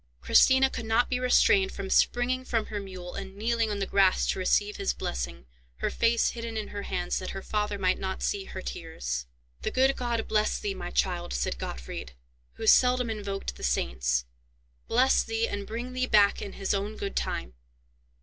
Christina could not be restrained from springing from her mule, and kneeling on the grass to receive his blessing, her face hidden in her hands, that her father might not see her tears. "The good God bless thee, my child," said Gottfried, who seldom invoked the saints; "bless thee, and bring thee back in His own good time.